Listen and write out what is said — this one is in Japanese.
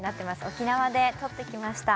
沖縄で撮ってきました